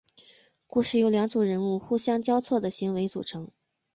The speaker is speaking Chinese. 故事由两组人物互相交错的行为组成。